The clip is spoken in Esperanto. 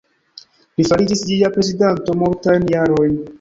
Li fariĝis ĝia prezidanto multajn jarojn.